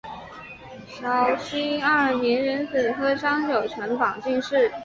绍兴二年壬子科张九成榜进士。